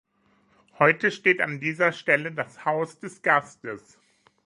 Heute steht an dieser Stelle das "Haus des Gastes".